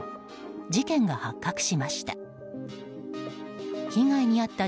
事件が発覚しました。